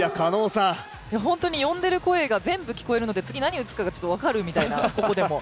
本当に呼んでる声が全部聞こえるので次、何打つかが分かるみたいな、ここでも。